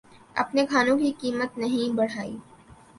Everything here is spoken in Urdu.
اپنے کھانوں کی قیمت نہیں بڑھائی